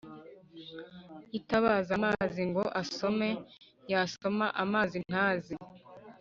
yitabaza amazi ngo asome, yasoma amazi ntaze,